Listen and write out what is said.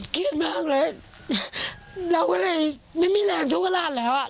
เครียดมากเลยเราก็เลยไม่มีแรงทุกกระลาดแล้วอ่ะ